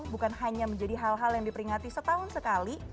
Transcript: bukan hanya menjadi hal hal yang diperingati setahun sekali